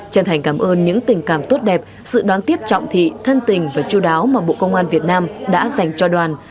chân thành cảm ơn những tình cảm tốt đẹp sự đón tiếp trọng thị thân tình và chú đáo mà bộ công an việt nam đã dành cho đoàn